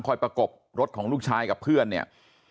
ประกบรถของลูกชายกับเพื่อนเนี่ย